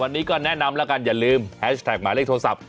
วันนี้ก็แนะนำแล้วกันอย่าลืมแฮชแท็กหมายเลขโทรศัพท์